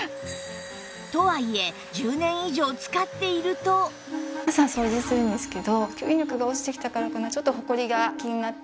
とはいえ朝掃除するんですけど吸引力が落ちてきたからかなちょっとホコリが気になって。